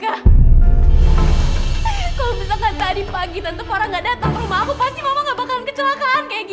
kalau misalkan tadi pagi tante farah gak datang ke rumah aku pasti mama gak bakalan kecelakaan kayak gini